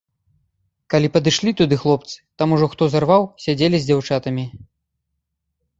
Калі падышлі туды хлопцы, там ужо, хто зарваў, сядзелі з дзяўчатамі.